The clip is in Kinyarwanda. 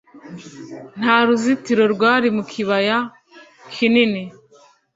Nta ruzitiro rwari mu kibaya kinini .